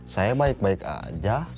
saya baik baik aja